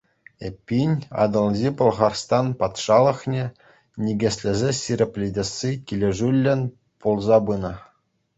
Эппин, Атӑлҫи Пӑлхарстан патшалӑхне никӗслесе ҫирӗплетесси килӗшӳллӗн пулса пынӑ.